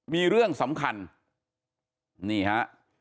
มีเรื่องสำคัญนี่ฮะ